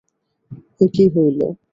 এ কী হইল।